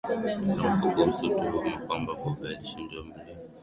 tamko kuhusu tuhuma kwamba Bobi alishambuliwa akiwa kizuizini Utawala ni kipaji na hasa